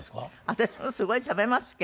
私もすごい食べますけど。